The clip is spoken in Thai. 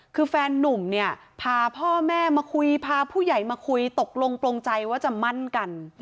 คือแฟนนุ่มเนี่ยพาพ่อแม่มาคุยพาผู้ใหญ่มาคุยตกลงปลงใจว่าจะมั่นกัน